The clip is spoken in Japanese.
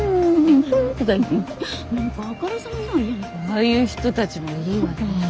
ああいう人たちもいいわねぇ。